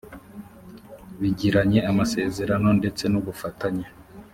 bgiranye amasezerano ndetse n’ubufatanye